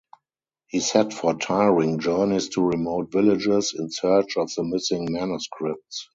He set for tiring journeys to remote villages in search of the missing manuscripts.